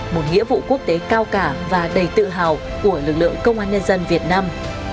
một nghĩa vụ quốc tế cao cả và đầy tự hào của lực lượng công an nhân dân việt nam